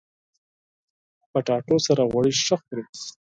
کچالو سره غوړي ښه خوري